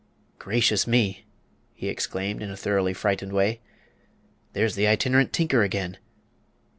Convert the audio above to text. "Gracious me!" he exclaimed in a thoroughly frightened way. "There's the Itinerant Tinker again!